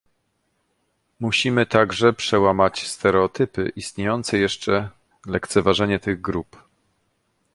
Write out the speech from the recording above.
Musimy także przełamać stereotypy, istniejące jeszcze lekceważenie tych grup